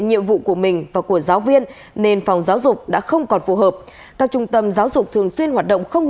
nên việc không chê đám lửa dễ dàng hơn